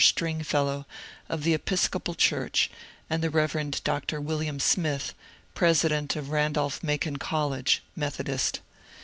Stringfellow of the Episcopal Church and the Rev. Dr. William Smith, president of Randolph Macon College (Methodist).